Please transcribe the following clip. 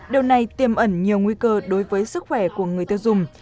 điều này tiêm ẩn nhiều nguy cơ đối với sức khỏe của người tiêu dùng